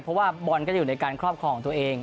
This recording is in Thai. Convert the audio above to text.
เพราะว่าบอลก็จะอยู่ในการครอบครองของตัวเอง